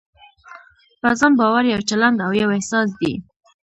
په ځان باور يو چلند او يو احساس دی.